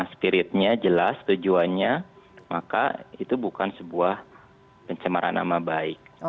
spiritnya jelas tujuannya maka itu bukan sebuah pencemaran nama baik